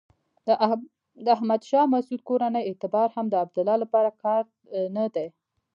د احمد شاه مسعود کورنۍ اعتبار هم د عبدالله لپاره کارت نه دی.